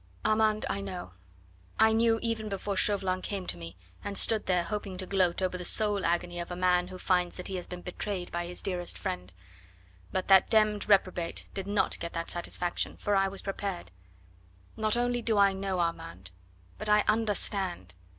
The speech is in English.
Armand, I know. I knew even before Chauvelin came to me, and stood there hoping to gloat over the soul agony a man who finds that he has been betrayed by his dearest friend. But that d d reprobate did not get that satisfaction, for I was prepared. Not only do I know, Armand, but I UNDERSTAND.